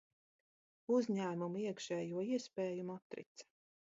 Uzņēmuma iekšējo iespēju matrica.